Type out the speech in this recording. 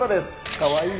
かわいいな。